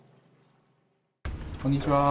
こんにちは。